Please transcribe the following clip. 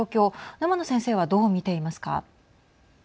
沼野先生は、どう見ていますか。